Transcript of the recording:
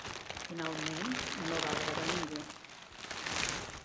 Finalment, no va agradar a ningú.